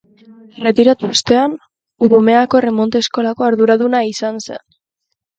Erretiratu ostean, Urumeako erremonte eskolako arduraduna izan zen.